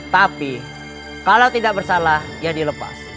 tapi kalau tidak bersalah ya dilepas